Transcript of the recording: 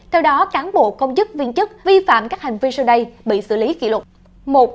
theo đó cán bộ công chức viên chức vi phạm các hành vi sau đây bị xử lý kỷ lục